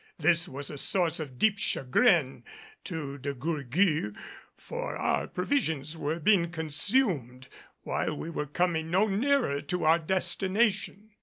This was a source of deep chagrin to De Gourgues for our provisions were being consumed, while we were coming no nearer to our destination.